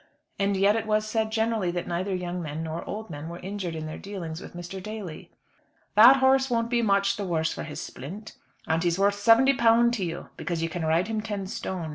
And yet it was said generally that neither young men nor old men were injured in their dealings with Mr. Daly. "That horse won't be much the worse for his splint, and he's worth £70 to you, because you can ride him ten stone.